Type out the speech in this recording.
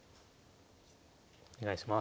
お願いします。